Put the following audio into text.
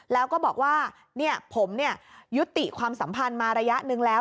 แล้วก็บอกว่าผมยุติความสัมพันธ์มาระยะหนึ่งแล้ว